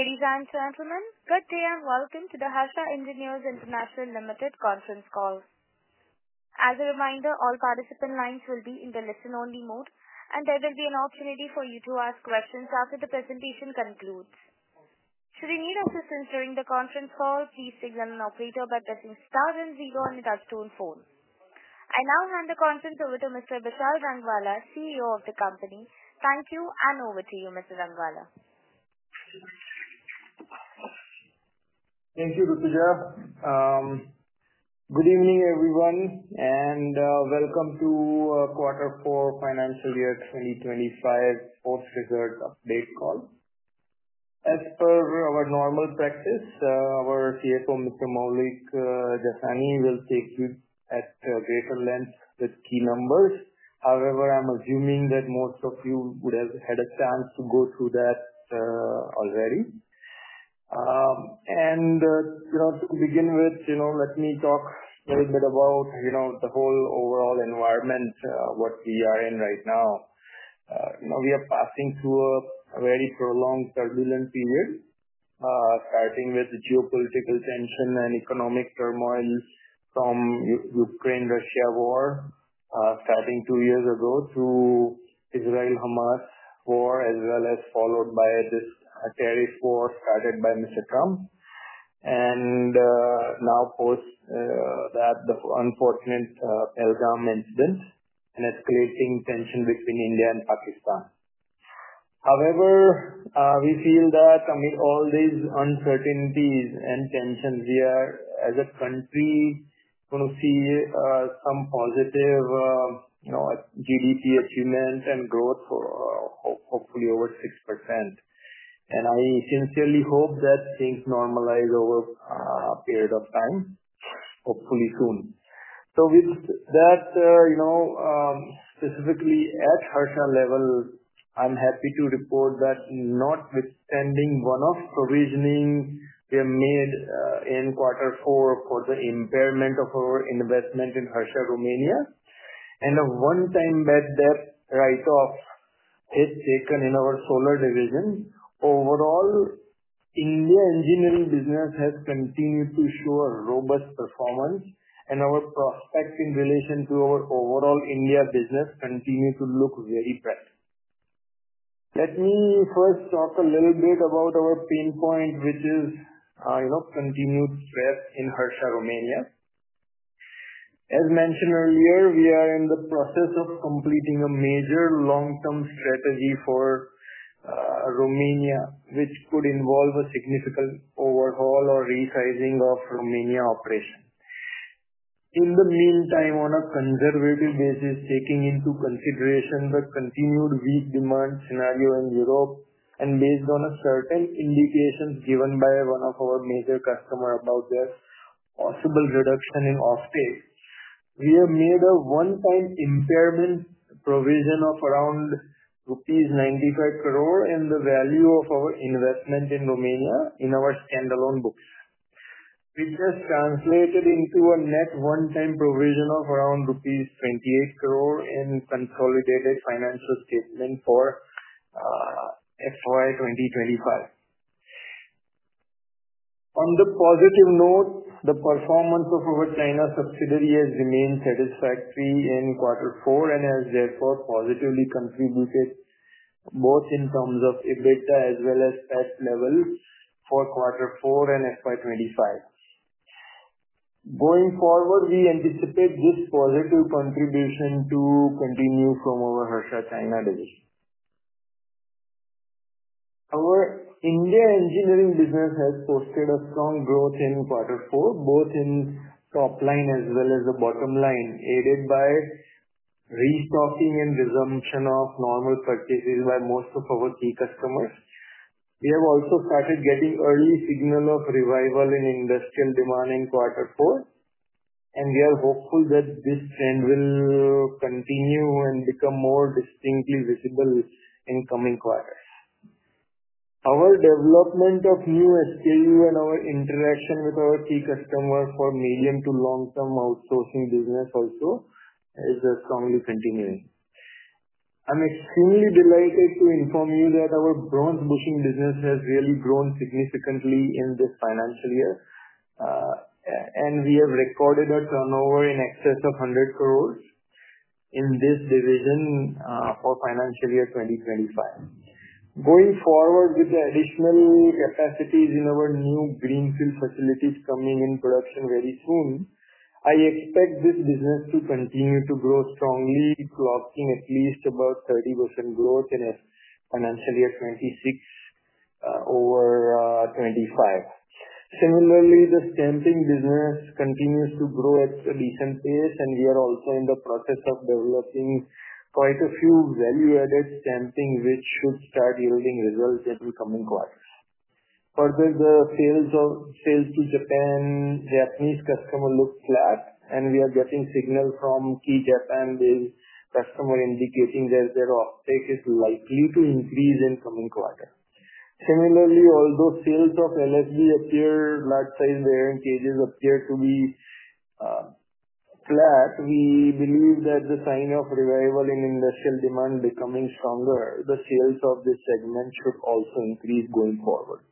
Ladies and gentlemen, good day and welcome to the Harsha Engineers International Conference call. As a reminder, all participant lines will be in the listen-only mode, and there will be an opportunity for you to ask questions after the presentation concludes. Should you need assistance during the conference call, please signal an operator by pressing star and zero on the touch-tone phone. I now hand the conference over to Mr. Vishal Rangwala, CEO of the company. Thank you, and over to you, Mr. Rangwala. Thank you, Dr. Ja. Good evening, everyone, and welcome to Quarter 4, Financial Year 2025, Post-Reserve Update call. As per our normal practice, our CFO, Mr. Maulik Jasani, will take you at greater length with key numbers. However, I'm assuming that most of you would have had a chance to go through that already. To begin with, let me talk a little bit about the whole overall environment, what we are in right now. We are passing through a very prolonged turbulent period, starting with the geopolitical tension and economic turmoil from the Ukraine-Russia war, starting two years ago, to the Israel-Hamas war, as well as followed by this terrorist war started by Mr. Trump, and now post that unfortunate Pell Gram incident and escalating tension between India and Pakistan. However, we feel that amid all these uncertainties and tensions, we are, as a country, going to see some positive GDP achievement and growth, hopefully over 6%. I sincerely hope that things normalize over a period of time, hopefully soon. With that, specifically at Harsha level, I'm happy to report that, notwithstanding one-off provisioning we have made in Q4 for the impairment of our investment in Harsha Romania, and a one-time bad debt write-off taken in our solar division, overall, India engineering business has continued to show a robust performance, and our prospect in relation to our overall India business continues to look very bright. Let me first talk a little bit about our pain point, which is continued stress in Harsha Romania. As mentioned earlier, we are in the process of completing a major long-term strategy for Romania, which could involve a significant overhaul or resizing of Romania operations. In the meantime, on a conservative basis, taking into consideration the continued weak demand scenario in Europe and based on certain indications given by one of our major customers about their possible reduction in offtake, we have made a one-time impairment provision of around rupees 95 crore in the value of our investment in Romania in our standalone books, which has translated into a net one-time provision of around rupees 28 crore in consolidated financial statement for FY 2025. On a positive note, the performance of our China subsidiary has remained satisfactory in Q4 and has therefore positively contributed both in terms of EBITDA as well as PEP level for Q4 and FY 2025. Going forward, we anticipate this positive contribution to continue from our Harsha China division. Our India engineering business has posted a strong growth in Q4, both in top line as well as the bottom line, aided by restocking and resumption of normal purchases by most of our key customers. We have also started getting early signals of revival in industrial demand in Q4, and we are hopeful that this trend will continue and become more distinctly visible in coming quarters. Our development of new SKU and our interaction with our key customers for medium to long-term outsourcing business also is strongly continuing. I'm extremely delighted to inform you that our bronze bushing business has really grown significantly in this financial year, and we have recorded a turnover in excess of 100 crore in this division for financial year 2025. Going forward with the additional capacities in our new greenfield facilities coming in production very soon, I expect this business to continue to grow strongly, clocking at least about 30% growth in financial year 2026 over 2025. Similarly, the stamping business continues to grow at a decent pace, and we are also in the process of developing quite a few value-added stamping, which should start yielding results in coming quarters. Further, the sales to Japanese customers look flat, and we are getting signals from key Japan-based customers indicating that their offtake is likely to increase in coming quarter. Similarly, although sales of large-sized bearing cages appear to be flat, we believe that the sign of revival in industrial demand becoming stronger, the sales of this segment should also increase going forward.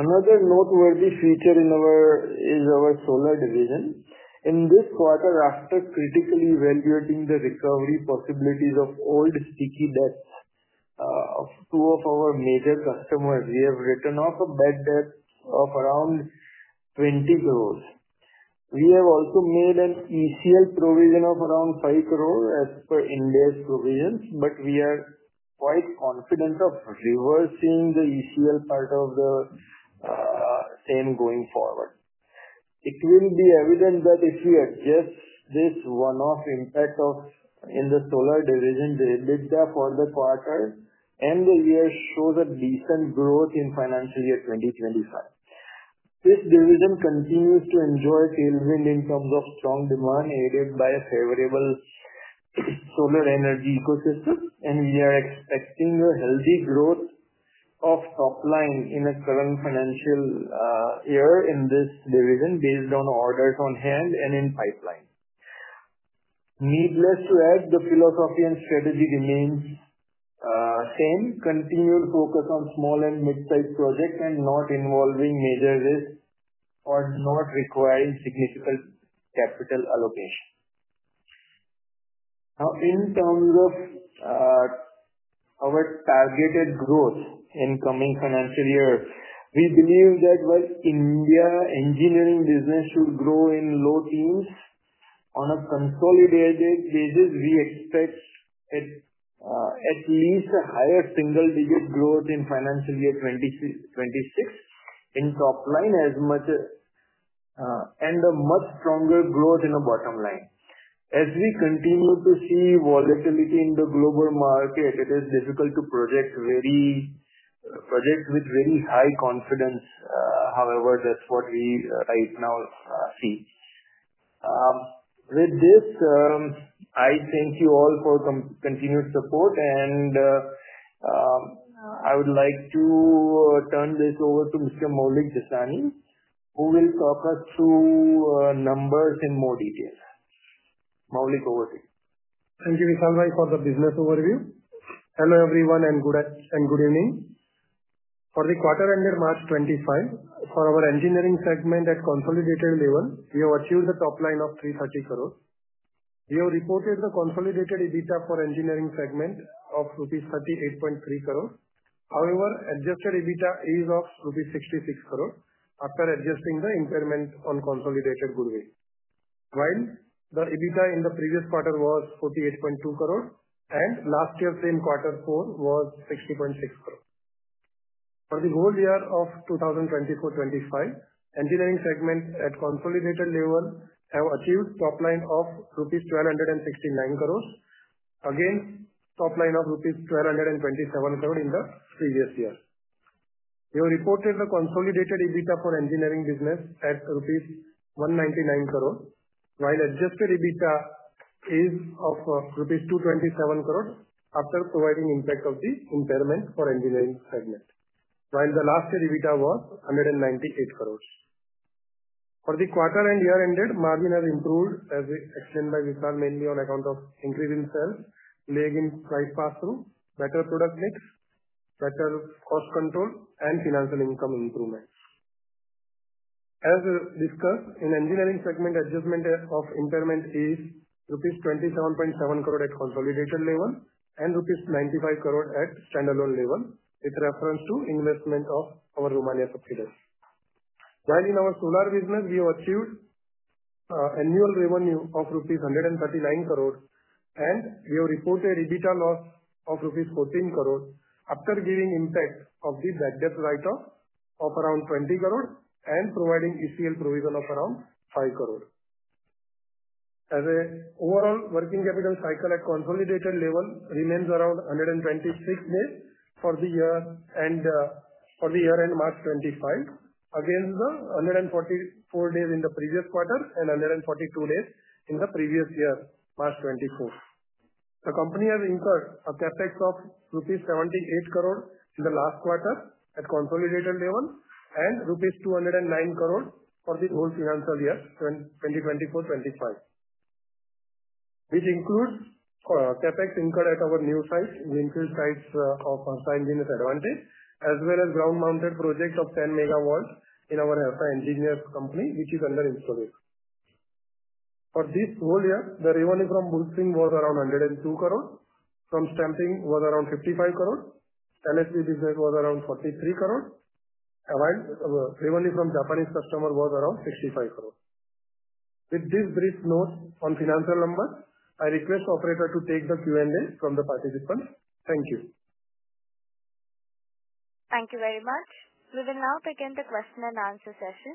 Another noteworthy feature is our solar division. In this quarter, after critically evaluating the recovery possibilities of old sticky debts of two of our major customers, we have written off a bad debt of around 20 crore. We have also made an ECL provision of around 5 crore as per Ind-AS provisions, but we are quite confident of reversing the ECL part of the same going forward. It will be evident that if we adjust this one-off impact in the solar division, the EBITDA for the quarter and the year shows a decent growth in financial year 2025. This division continues to enjoy tailwind in terms of strong demand aided by a favorable solar energy ecosystem, and we are expecting a healthy growth of top line in the current financial year in this division based on orders on hand and in pipeline. Needless to add, the philosophy and strategy remains same: continued focus on small and mid-sized projects and not involving major risks or not requiring significant capital allocation. Now, in terms of our targeted growth in coming financial year, we believe that while India engineering business should grow in low teens on a consolidated basis, we expect at least a higher single-digit growth in financial year 2026 in top line and a much stronger growth in the bottom line. As we continue to see volatility in the global market, it is difficult to project with very high confidence. However, that's what we right now see. With this, I thank you all for continued support, and I would like to turn this over to Mr. Maulik Jasani, who will talk us through numbers in more detail. Maulik, over to you. Thank you, Vishal Rangwala, for the business overview. Hello everyone and good evening. For the quarter ended March 2025, for our engineering segment at consolidated level, we have achieved a top line of 330 crore. We have reported the consolidated EBITDA for engineering segment of rupees 38.3 crore, however, adjusted EBITDA is of rupees 66 crore after adjusting the impairment on consolidated goodwill, while the EBITDA in the previous quarter was 48.2 crore, and last year's same quarter four was 60.6 crore. For the whole year of 2024-2025, engineering segment at consolidated level have achieved top line of rupees 1,269 crore, against top line of rupees 1,227 crore in the previous year. We have reported the consolidated EBITDA for engineering business at rupees 199 crore, while adjusted EBITDA is of rupees 227 crore after providing impact of the impairment for engineering segment, while the last year EBITDA was 198 crore. For the quarter end year ended, margin has improved, as explained by Vishal, mainly on account of increase in sales, legging slight pass-through, better product mix, better cost control, and financial income improvements. As discussed, in engineering segment, adjustment of impairment is rupees 27.7 crore at consolidated level and rupees 95 crore at standalone level, with reference to investment of our Romania subsidiary. While in our solar business, we have achieved annual revenue of 139 crore, and we have reported EBITDA loss of rupees 14 crore after giving impact of the bad debt write-off of around 20 crore and providing ECL provision of around 5 crore. As an overall working capital cycle at consolidated level, remains around 126 days for the year end March 2025, against the 144 days in the previous quarter and 142 days in the previous year, March 2024. The company has incurred a capex of rupees 78 crore in the last quarter at consolidated level and rupees 209 crore for the whole financial year 2024-2025, which includes capex incurred at our new site, Greenfield Sites of Harsha Engineers Advantage, as well as ground-mounted project of 10 megawatts in our Harsha Engineers Company, which is under installation. For this whole year, the revenue from bushing was around 102 crore, from stamping was around 55 crore, LSB business was around 43 crore, revenue from Japanese customer was around 65 crore. With this brief note on financial numbers, I request the operator to take the Q&A from the participants. Thank you. Thank you very much. We will now begin the question and answer session.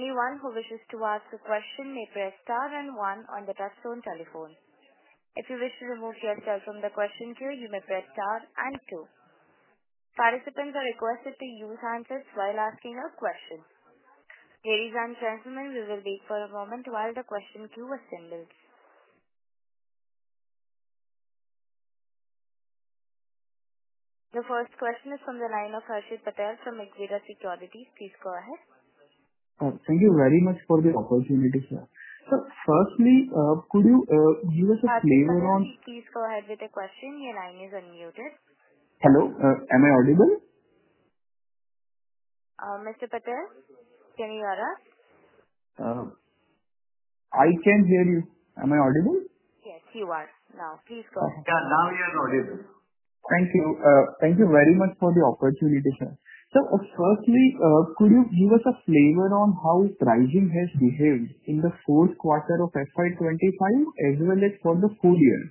Anyone who wishes to ask a question may press star and one on the touchstone telephone. If you wish to remove yourself from the question queue, you may press star and two. Participants are requested to use handsets while asking a question. Ladies and gentlemen, we will wait for a moment while the question queue assembles. The first question is from the line of Harshit Patel from Exeta Security. Please go ahead. Thank you very much for the opportunity, sir. Firstly, could you give us a flavor on. Please go ahead with the question. Your line is unmuted. Hello. Am I audible? Mr. Patel, can you hear us? I can hear you. Am I audible? Yes, you are now. Please go ahead. Yeah, now you're audible. Thank you. Thank you very much for the opportunity, sir. Firstly, could you give us a flavor on how pricing has behaved in the fourth quarter of FY 2025 as well as for the full year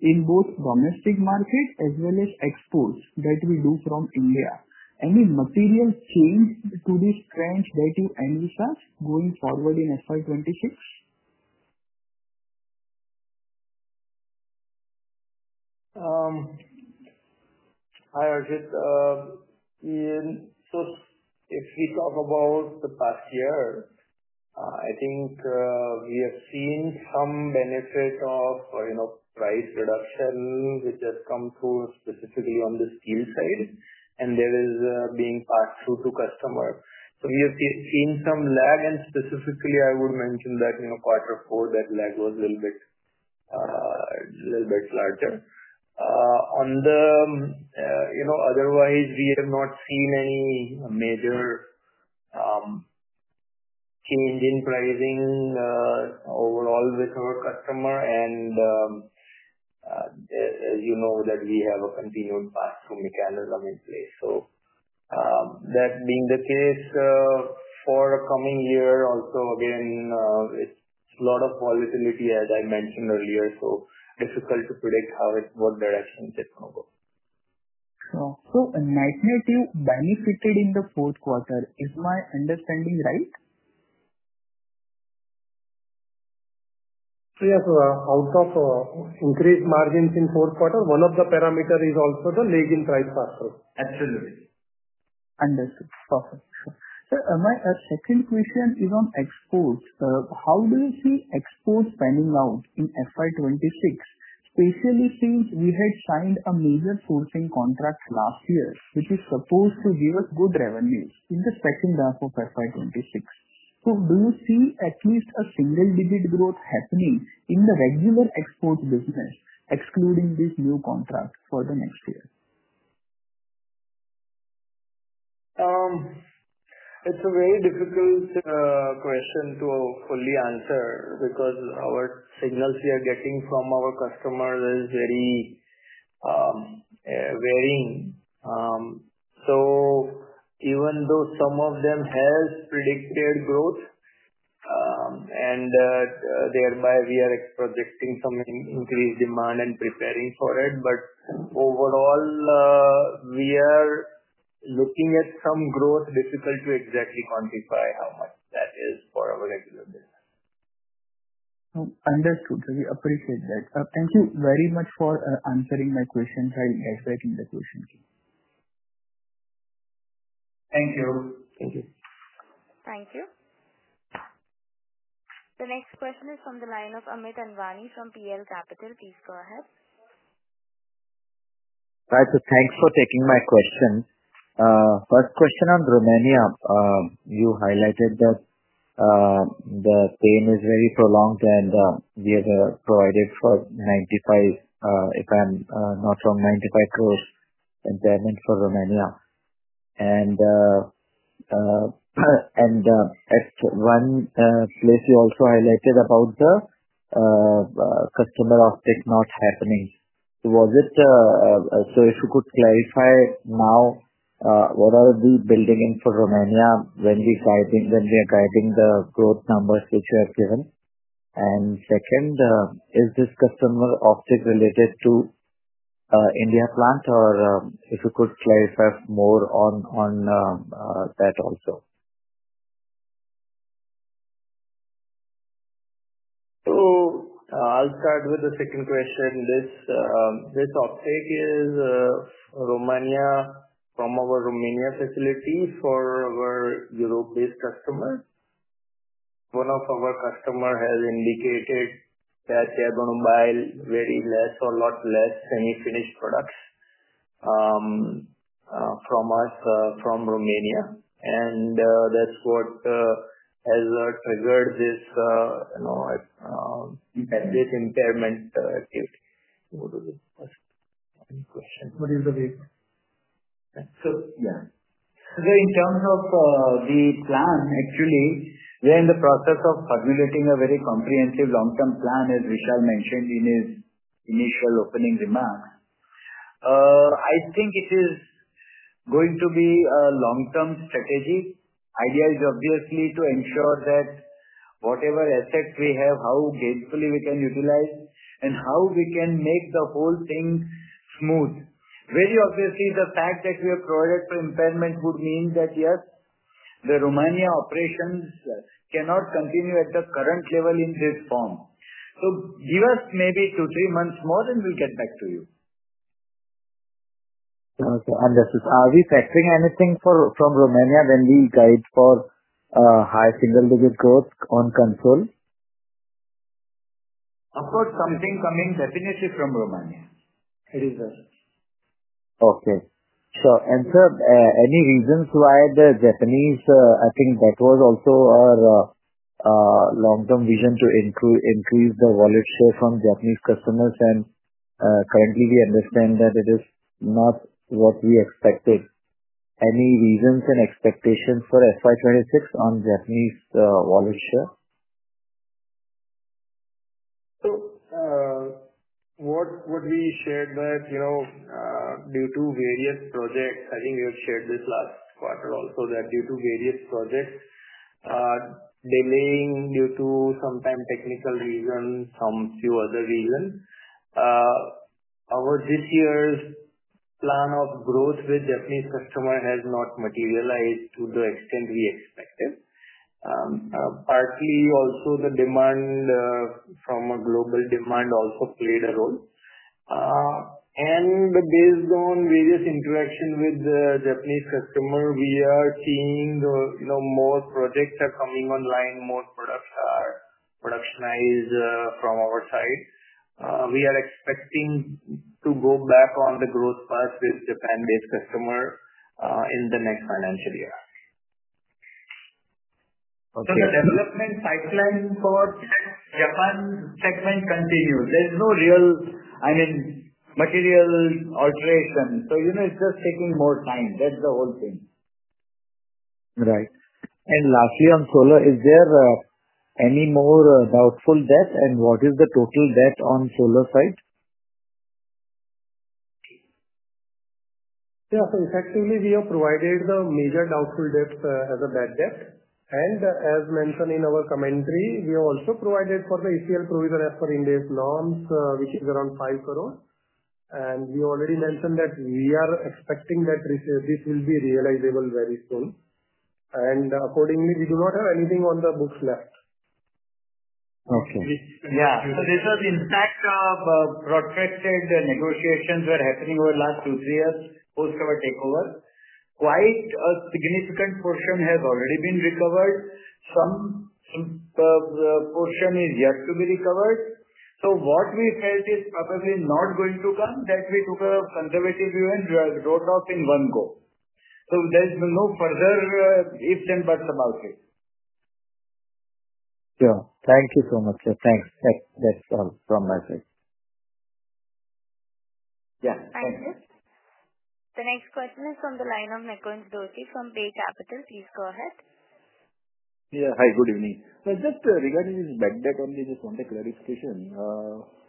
in both domestic market as well as exports that we do from India? Any material change to this trend that you envisage going forward in FY 2026? Hi, Harsh. If we talk about the past year, I think we have seen some benefit of price reduction, which has come through specifically on the steel side, and that is being passed through to customers. We have seen some lag, and specifically, I would mention that in Q4, that lag was a little bit larger. Otherwise, we have not seen any major change in pricing overall with our customer, and as you know, we have a continued pass-through mechanism in place. That being the case for the coming year, also again, it's a lot of volatility, as I mentioned earlier, so difficult to predict what direction it's going to go. So you benefited in the fourth quarter. Is my understanding right? Yes, out of increased margins in fourth quarter, one of the parameters is also the lagging price pass-through. Absolutely. Understood. Perfect. My second question is on exports. How do you see exports panning out in FY 2026, especially since we had signed a major sourcing contract last year, which is supposed to give us good revenues in the second half of FY 2026? Do you see at least a single-digit growth happening in the regular export business, excluding this new contract for the next year? It's a very difficult question to fully answer because our signals we are getting from our customers are very varying. Even though some of them have predicted growth, and thereby we are projecting some increased demand and preparing for it, overall, we are looking at some growth. Difficult to exactly quantify how much that is for our regular business. Understood. We appreciate that. Thank you very much for answering my questions. I'll get back in the question queue. Thank you. Thank you. Thank you. The next question is from the line of Amit Anwani from PL Capital. Please go ahead. Right. Thanks for taking my question. First question on Romania. You highlighted that the pain is very prolonged, and we have provided for 95 crore impairment for Romania. At one place, you also highlighted about the customer offtake not happening. If you could clarify now, what are we building in for Romania when we are guiding the growth numbers which you have given? Second, is this customer offtake related to India plant, or if you could clarify more on that also? I'll start with the second question. This offtake is Romania from our Romania facility for our Europe-based customers. One of our customers has indicated that they are going to buy very less or a lot less semi-finished products from us from Romania, and that's what has triggered this bad debt impairment activity. What was the question? What is the waiver? In terms of the plan, actually, we are in the process of formulating a very comprehensive long-term plan, as Vishal mentioned in his initial opening remarks. I think it is going to be a long-term strategy. The idea is obviously to ensure that whatever assets we have, how gainsfully we can utilize, and how we can make the whole thing smooth. Very obviously, the fact that we have provided for impairment would mean that, yes, the Romania operations cannot continue at the current level in this form. Give us maybe two or three months more, and we will get back to you. Okay. Understood. Are we factoring anything from Romania when we guide for high single-digit growth on console? Of course, something coming definitely from Romania. It is very good. Okay. Sure. And sir, any reasons why the Japanese—I think that was also our long-term vision to increase the wallet share from Japanese customers—and currently, we understand that it is not what we expected? Any reasons and expectations for FY 2026 on Japanese wallet share? What we shared is that due to various projects—I think we have shared this last quarter also—that due to various projects delaying due to sometimes technical reasons, some few other reasons, our this year's plan of growth with Japanese customers has not materialized to the extent we expected. Partly, also, the demand from a global demand also played a role. Based on various interactions with the Japanese customers, we are seeing more projects are coming online, more products are productionized from our side. We are expecting to go back on the growth path with Japan-based customers in the next financial year. The development pipeline for Japan segment continues. There is no real, I mean, material alteration. It is just taking more time. That is the whole thing. Right. Lastly, on solar, is there any more doubtful debt, and what is the total debt on the solar side? Yeah. So effectively, we have provided the major doubtful debt as a bad debt. As mentioned in our commentary, we have also provided for the ECL provision as per Ind-AS norms, which is around 5 crore. We already mentioned that we are expecting that this will be realizable very soon. Accordingly, we do not have anything on the books left. Okay. Yeah. These are intact protracted negotiations that are happening over the last two-three years, post-overtakeover. Quite a significant portion has already been recovered. Some portion is yet to be recovered. What we felt is probably not going to come, we took a conservative view and wrote off in one go. There are no further ifs and buts about it. Sure. Thank you so much, sir. Thanks. That's all from my side. Yeah. Thank you. The next question is from the line of Nikunj Doshi from Bay Capital. Please go ahead. Yeah. Hi, good evening. Just regarding this bad debt, I just want a clarification.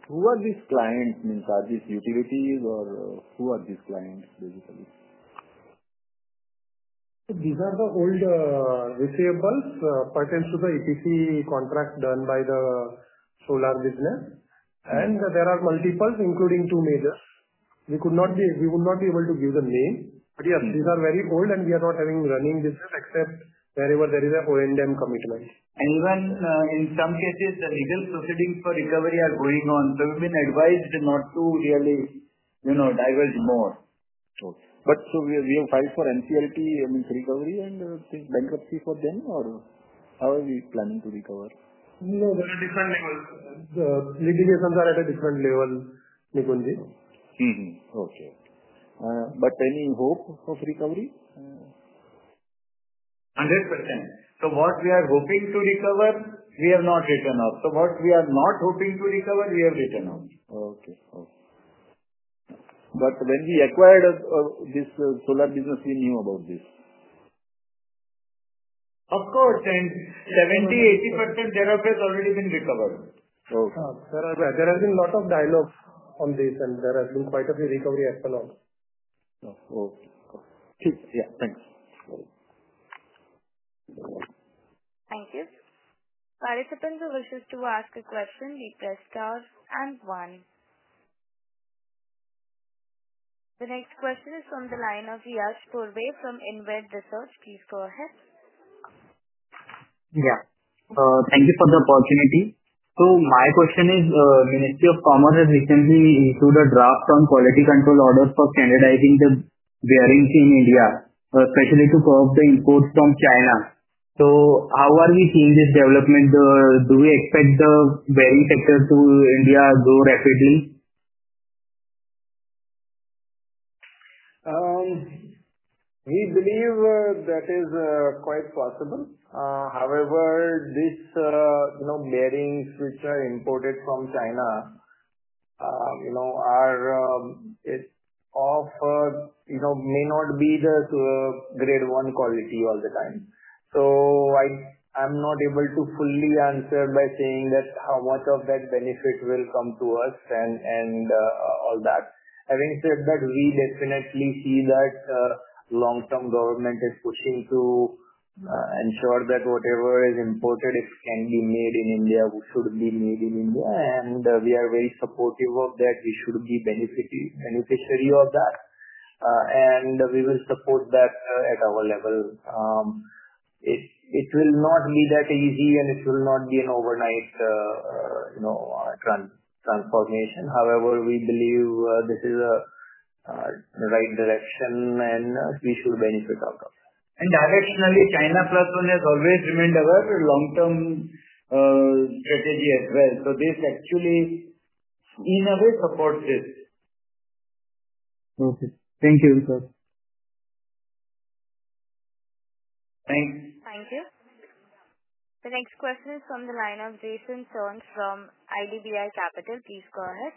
Who are these clients? I mean, are these utilities, or who are these clients, basically? These are the old receivables pertinent to the EPC contract done by the solar business. There are multiples, including two major. We would not be able to give the name. Yes, these are very old, and we are not having running business except wherever there is an O&M commitment. Even in some cases, the legal proceedings for recovery are going on. We have been advised not to really divulge more. Sure. We have filed for NCLT, I mean, for recovery and bankruptcy for them, or how are we planning to recover? No, we're at a different level. The litigations are at a different level, Meghwantji. Okay. Any hope of recovery? 100%. What we are hoping to recover, we have not written off. What we are not hoping to recover, we have written off. Okay. Okay. When we acquired this solar business, we knew about this. Of course. 70%-80% thereof has already been recovered. Okay. There has been a lot of dialogue on this, and there has been quite a bit of recovery after all. Okay. Okay. Yeah. Thanks. Thank you. Participants who wish to ask a question, please press star and one. The next question is from the line of Yash Purbhe from Inved Research. Please go ahead. Yeah. Thank you for the opportunity. My question is, Ministry of Commerce has recently issued a draft on Quality Control Orders for standardizing the bearings in India, especially to curb the imports from China. How are we seeing this development? Do we expect the bearing sector in India to grow rapidly? We believe that is quite possible. However, these bearings which are imported from China may not be the grade one quality all the time. I am not able to fully answer by saying how much of that benefit will come to us and all that. Having said that, we definitely see that long-term government is pushing to ensure that whatever is imported, if it can be made in India, should be made in India. We are very supportive of that. We should be beneficiary of that. We will support that at our level. It will not be that easy, and it will not be an overnight transformation. However, we believe this is the right direction, and we should benefit out of it. Directionally, China plus one has always remained our long-term strategy as well. This actually, in a way, supports this. Okay. Thank you, sir. Thanks. Thank you. The next question is from the line of Jason Soans from IDBI Capital. Please go ahead.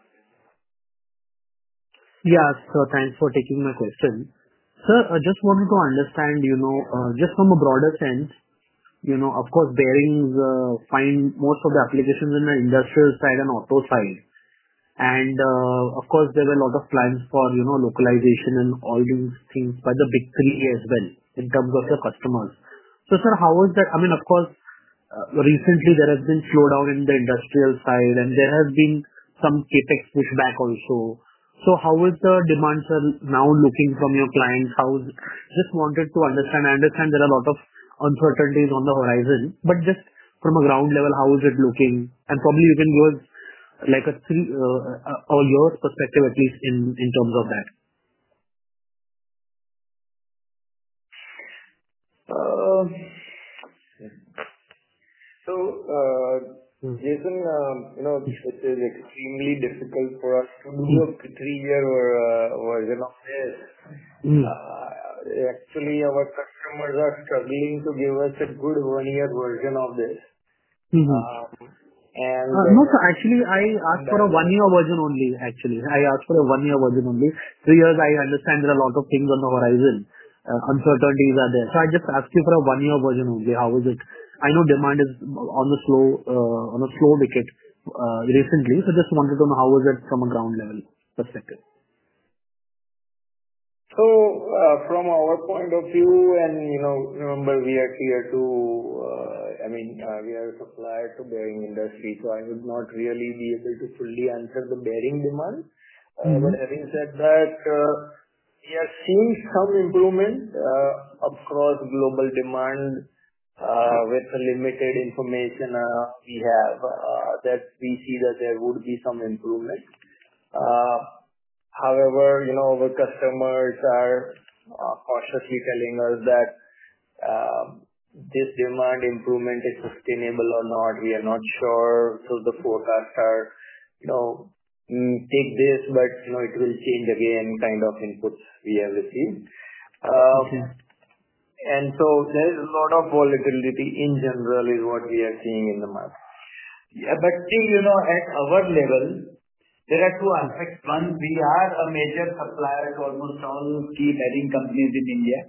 Yes. Thanks for taking my question. Sir, I just wanted to understand, just from a broader sense, of course, bearings find most of the applications in the industrial side and auto side. Of course, there were a lot of plans for localization and all these things by the big three as well in terms of your customers. Sir, how was that? I mean, of course, recently, there has been a slowdown in the industrial side, and there has been some CapEx pushback also. How is the demand, sir, now looking from your clients? Just wanted to understand. I understand there are a lot of uncertainties on the horizon. Just from a ground level, how is it looking? Probably you can give us a year's perspective, at least in terms of that. Jason, it is extremely difficult for us to do a three-year version of this. Actually, our customers are struggling to give us a good one-year version of this. No, sir, actually, I asked for a one-year version only, actually. I asked for a one-year version only. Three years, I understand there are a lot of things on the horizon. Uncertainties are there. I just asked you for a one-year version only. How is it? I know demand is on a slow wicket recently. Just wanted to know how was it from a ground-level perspective. From our point of view, and remember, we are clear to, I mean, we are a supplier to bearing industry. I would not really be able to fully answer the bearing demand. Having said that, we are seeing some improvement across global demand. With the limited information we have, we see that there would be some improvement. However, our customers are cautiously telling us that this demand improvement is sustainable or not. We are not sure. The forecasts are, take this, but it will change again, kind of inputs we have received. There is a lot of volatility in general, is what we are seeing in the market. Still, at our level, there are two aspects. One, we are a major supplier to almost all key bearing companies in India.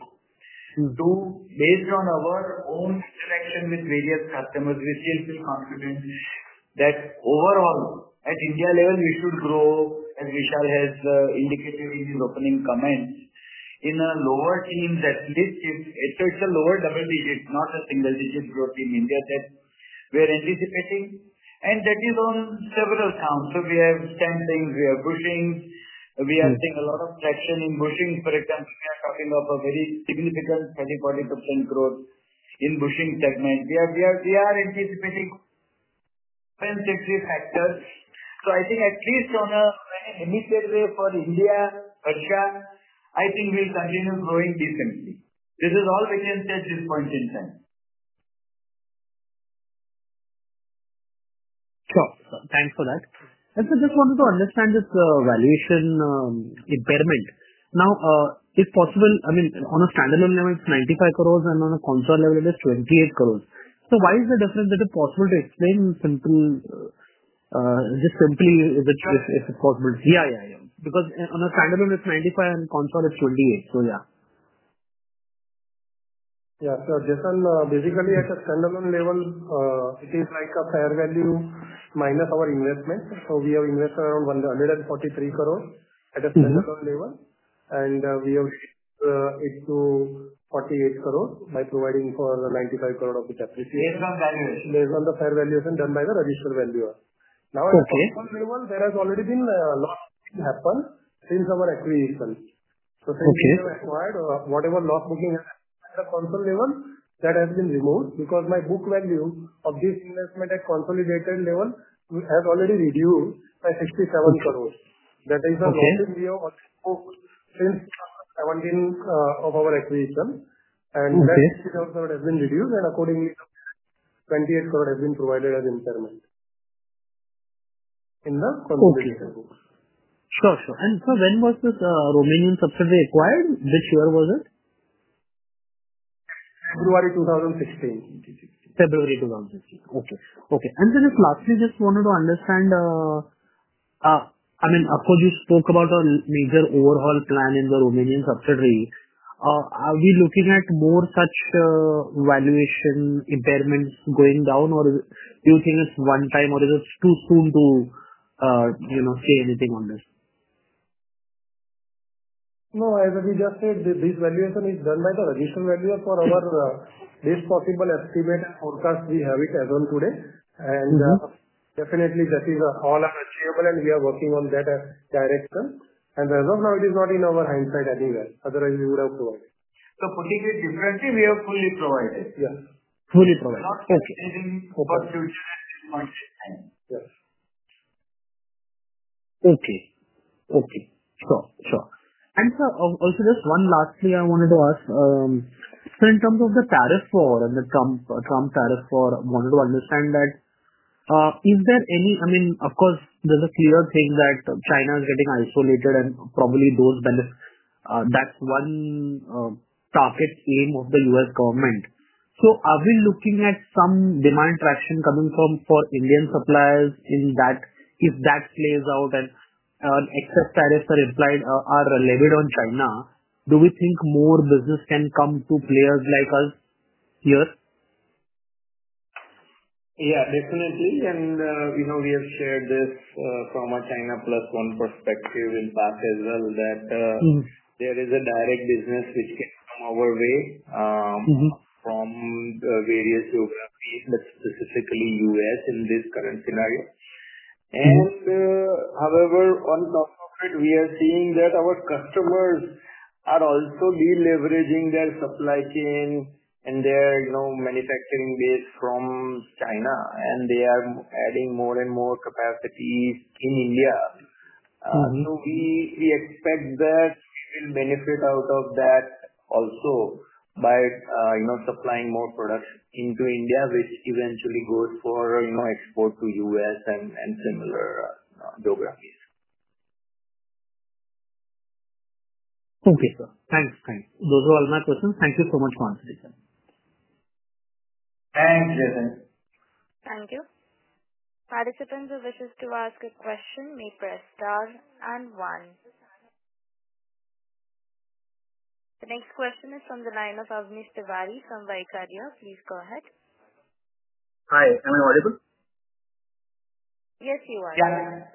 Two, based on our own interaction with various customers, we still feel confident that overall, at India level, we should grow, as Vishal has indicated in his opening comments, in lower teens at least. It is a lower double-digit, not a single-digit growth in India that we are anticipating. That is on several counts. We have strengthened, we have bushings. We are seeing a lot of traction in bushings. For example, we are talking of a very significant 30%-40% growth in bushing segment. We are anticipating defense sector factors. I think at least in an immediate way for India, Harsha Engineers International, I think we will continue growing decently. This is all we can say at this point in time. Sure. Thanks for that. Sir, just wanted to understand this valuation impairment. Now, if possible, I mean, on a standalone level, it is 95 crore, and on a consolidated level, it is 28 crore. Why is the difference? Is it possible to explain simply if it is possible? Yeah, because on a standalone, it is 95 crore, and consolidated, it is INR 28 crore. Yeah. Yeah. Jason, basically, at a standalone level, it is like a fair value minus our investment. We have invested around 143 crore at a standalone level. We have raised it to 48 crore by providing for 95 crore of its appreciation. Based on valuation. Based on the fair valuation done by the registered valuer. Now, at console level, there has already been a lot of things happen since our acquisition. Since we have acquired, whatever loss booking at the console level, that has been removed because my book value of this investment at consolidated level has already reduced by 670,000,000. That is a loss we have already booked since 2017 of our acquisition. That INR 670,000,000 has been reduced, and accordingly, 280,000,000 have been provided as impairment in the consolidated books. Sure, sure. Sir, when was this Romanian subsidiary acquired? Which year was it? February 2016. February 2016. Okay. Okay. And sir, just lastly, just wanted to understand, I mean, of course, you spoke about a major overhaul plan in the Romanian subsidiary. Are we looking at more such valuation impairments going down, or do you think it's one time, or is it too soon to say anything on this? No, as we just said, this valuation is done by the registered valuer for our least possible estimate and forecast we have it as of today. Definitely, that is all unachievable, and we are working on that direction. As of now, it is not in our hindsight anywhere. Otherwise, we would have provided. Putting it differently, we have fully provided. Yes. Fully provided. Not anything for future at this point in time. Okay. Okay. Sure, sure. Sir, also just one last thing I wanted to ask. In terms of the tariff war and the Trump tariff war, I wanted to understand, is there any, I mean, of course, there is a clear thing that China is getting isolated, and probably those benefits, that is one target aim of the U.S. government. Are we looking at some demand traction coming for Indian suppliers if that plays out and excess tariffs are levied on China? Do we think more business can come to players like us here? Yeah, definitely. We have shared this from a China plus one perspective in the past as well that there is a direct business which can come our way from various geographies, specifically the U.S. in this current scenario. However, on top of it, we are seeing that our customers are also deleveraging their supply chain and their manufacturing base from China, and they are adding more and more capacity in India. We expect that we will benefit out of that also by supplying more products into India, which eventually goes for export to the U.S. and similar geographies. Okay. Thanks. Thanks. Those were all my questions. Thank you so much for answering, sir. Thanks, Jason. Thank you. Participants who wish to ask a question may press star and one. The next question is from the line of Avnish Tiwari from Vaikarya. Please go ahead. Hi. Am I audible? Yes, you are. Yeah.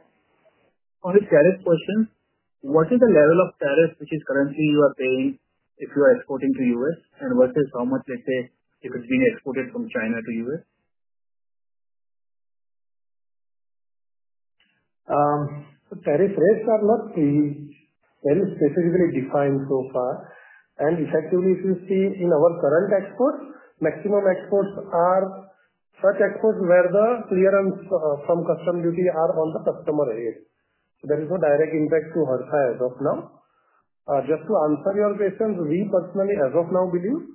On this tariff question, what is the level of tariff which currently you are paying if you are exporting to the U.S. versus how much, let's say, if it's being exported from China to the U.S.? Tariff rates are not very specifically defined so far. Effectively, if you see in our current exports, maximum exports are such exports where the clearance from customs duty are on the customer's head. There is no direct impact to Harsha as of now. Just to answer your question, we personally as of now believe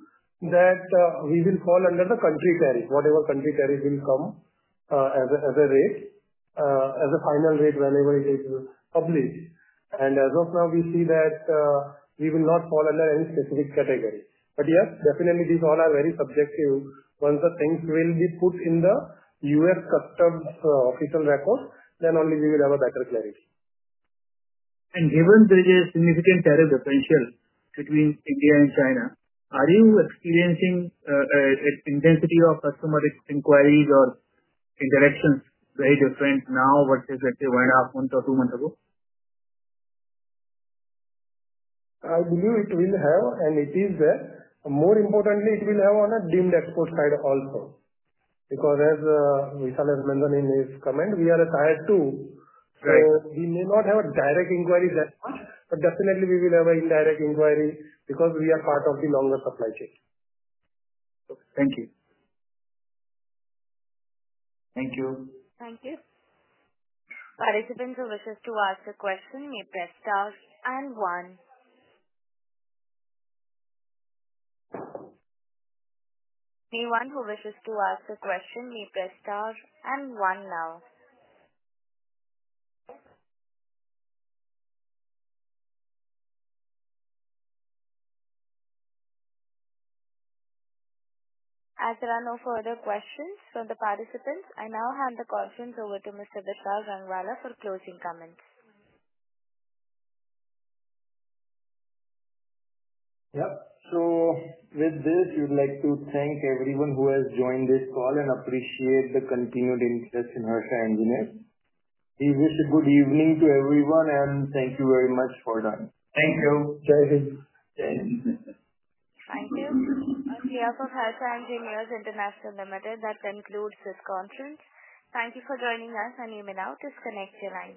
that we will fall under the country tariff, whatever country tariff will come as a rate, as a final rate whenever it is published. As of now, we see that we will not fall under any specific category. Yes, definitely, these all are very subjective. Once the things will be put in the U.S. customs official record, then only we will have a better clarity. Given there is a significant tariff differential between India and China, are you experiencing an intensity of customer inquiries or interactions very different now versus, let's say, one and a half months or two months ago? I believe it will have, and it is there. More importantly, it will have on a dimmed export side also. Because as Vishal has mentioned in his comment, we are a tier two. So we may not have a direct inquiry that much, but definitely, we will have an indirect inquiry because we are part of the longer supply chain. Okay. Thank you. Thank you. Thank you. Participants who wish to ask a question may press star and one. Anyone who wishes to ask a question may press star and one now. As there are no further questions from the participants, I now hand the questions over to Mr. Vishal Rangwala for closing comments. Yep. With this, we would like to thank everyone who has joined this call and appreciate the continued interest in Harsha Engineers. We wish a good evening to everyone, and thank you very much for joining. Thank you. Jayhil. Jayhil. Thank you. On behalf of Harsha Engineers International Limited, that concludes this conference. Thank you for joining us, and email out to connect your line.